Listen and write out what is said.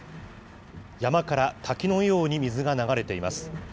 山から滝のように水が流れています。